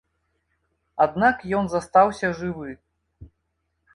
Аднак ён застаўся жывы.